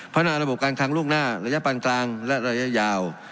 นาระบบการคังล่วงหน้าระยะปานกลางและระยะยาว